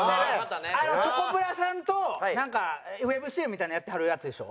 チョコプラさんとなんかウェブＣＭみたいのやってはるやつでしょ？